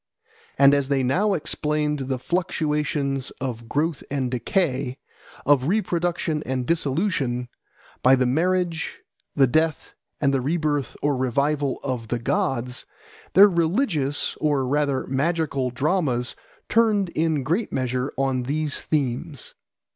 And as they now explained the fluctuations of growth and decay, of reproduction and dissolution, by the marriage, the death, and the rebirth or revival of the gods, their religious or rather magical dramas turned in great measure on these themes.